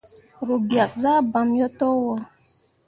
Ru biak zah bamme yo towo.